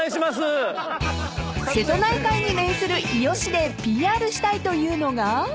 ［瀬戸内海に面する伊予市でＰＲしたいというのが］